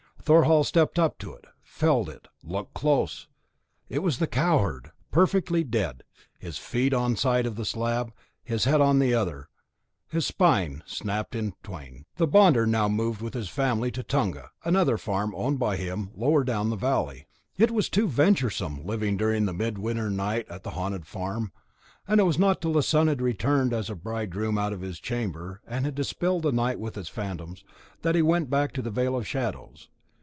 Thorhall stepped up to it, felt it, looked close; it was the cowherd, perfectly dead, his feet on one side of the slab, his head on the other, and his spine snapped in twain. The bonder now moved with his family to Tunga, another farm owned by him lower down the valley; it was too venturesome living during the mid winter night at the haunted farm; and it was not till the sun had returned as a bridegroom out of his chamber, and had dispelled night with its phantoms, that he went back to the Vale of Shadows.